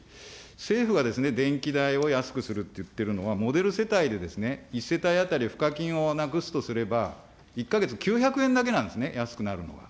政府が電気代を安くするって言ってるのは、モデル世帯で１世帯当たりふか金をなくすとすれば、１か月９００円だけなんですね、安くなるのが。